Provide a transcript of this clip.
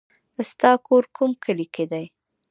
ستا کور کوم کلي کې دی